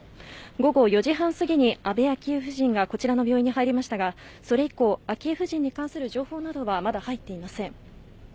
午後４時半過ぎに安倍昭恵夫人がこちらの病院に入りましたが、それ以降、昭恵夫人に関する情報などはまだ入っていません。